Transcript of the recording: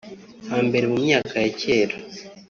Hambere mu myaka ya cyera